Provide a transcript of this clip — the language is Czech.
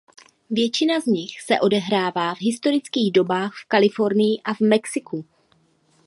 Většina z nich se odehrává v historických dobách v Kalifornii a v Mexiku.